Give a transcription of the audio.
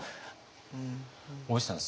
大石さん